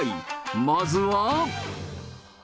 まずは。